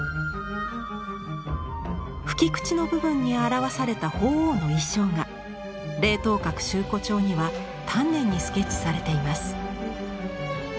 吹き口の部分に表された鳳凰の意匠が「聆涛閣集古帖」には丹念にスケッチされています。